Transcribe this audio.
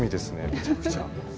めちゃくちゃ。